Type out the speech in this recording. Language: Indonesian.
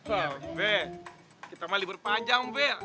oh be kita mah libur panjang be